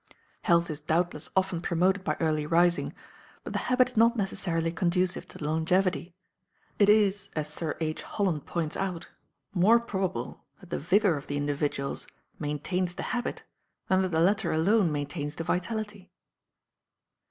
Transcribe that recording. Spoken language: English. Health is doubtless often promoted by early rising, but the habit is not necessarily conducive to longevity. It is, as Sir H. Holland points out, more probable that the vigour of the individuals maintains the habit than that the latter alone maintains the vitality.